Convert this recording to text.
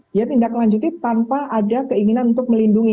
dia tindaklanjuti tanpa ada keinginan untuk melindungi